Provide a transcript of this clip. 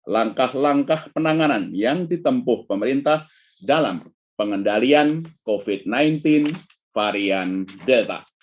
langkah langkah penanganan yang ditempuh pemerintah dalam pengendalian covid sembilan belas varian delta